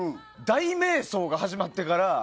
大迷走が始まってから。